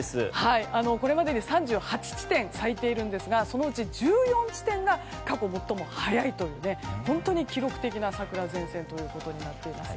これまでで３８地点咲いているんですがそのうち１４地点が過去最も早いという本当に記録的な桜前線ということになっています。